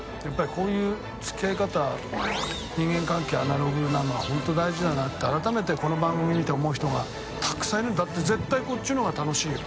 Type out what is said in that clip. こういう付き合い方人間関係アナログなのは榲大事だなって改めてこの番組見て思う人が燭気いるだって絶対こっちのほうが楽しいよ。